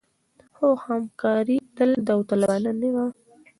خو همکاري تل داوطلبانه نه وه.